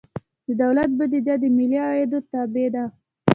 د دولت بودیجه د ملي عوایدو تابع ده.